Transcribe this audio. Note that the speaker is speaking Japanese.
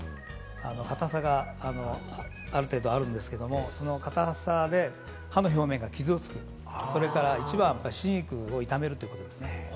固さがある程度あるんですけれども、その硬さで歯の表面が傷つく、それから一番は歯肉を痛めるということですね。